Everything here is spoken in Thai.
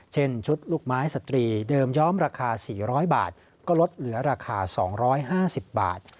เช่นชุดลูกไม้สตรีเดิมย้อมราคาสี่ร้อยบาทก็ลดเหลือราคาสองร้อยห้าสิบบาท